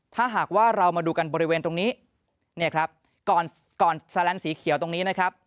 ถ้าหากว่าเรามาดูกันบริเวณตรงนี้เนี่ยครับก่อนก่อนสแลนดสีเขียวตรงนี้นะครับ